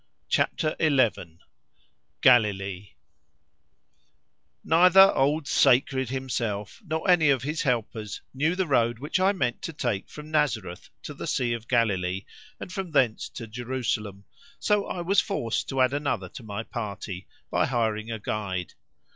CHAPTER XI—GALILEE Neither old "sacred" himself, nor any of his helpers, knew the road which I meant to take from Nazareth to the Sea of Galilee and from thence to Jerusalem, so I was forced to add another to my party by hiring a guide.